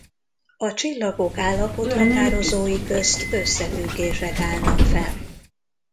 A csillagok állapothatározói közt összefüggések állnak fenn.